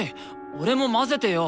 俺も交ぜてよ！